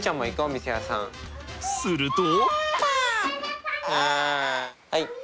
すると。